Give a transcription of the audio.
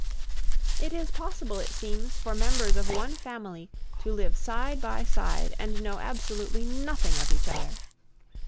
It is possible, it seems, for members of one family to live side by side and know absolutely nothing of each other.